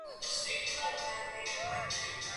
Mji mkuu na makao makuu ya serikali ni Jiji la Zanzibar